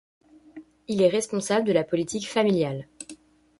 Il est responsable de la politique familiale.